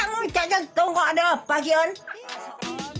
gak tahu kaya gini